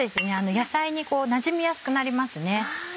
野菜になじみやすくなりますね。